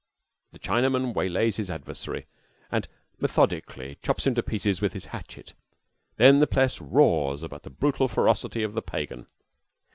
The Chinaman waylays his adversary, and methodically chops him to pieces with his hatchet. Then the press roars about the brutal ferocity of the pagan.